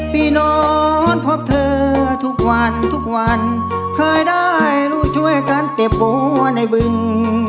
ปีนอนพบเธอทุกวันทุกวันเคยได้รู้ช่วยกันเก็บบัวในบึง